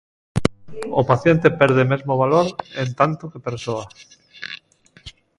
O paciente perde mesmo valor en tanto que persoa.